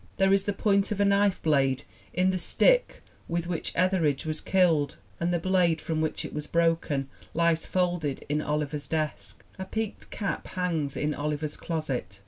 There is the point of a knife blade in the stick with which Etheridge was killed, and the blade from which it was broken lies folded in Oliver's desk. A peaked cap hangs in Oliver's closet!